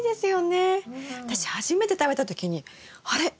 私初めて食べた時にあれ？